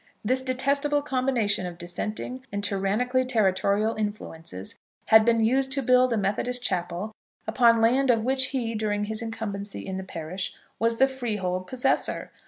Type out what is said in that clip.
This detestable combination of dissenting and tyrannically territorial influences had been used to build a Methodist Chapel upon land of which he, during his incumbency in the parish, was the freehold possessor!